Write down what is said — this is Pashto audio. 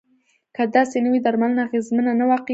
که داسې نه وي درملنه اغیزمنه نه واقع کیږي.